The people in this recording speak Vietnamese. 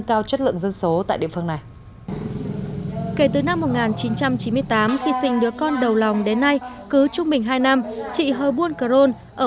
kể từ năm một nghìn chín trăm chín mươi tám khi sinh đứa con đầu lòng đến nay cứ trung bình hai năm chị hơ buôn cờ rôn ở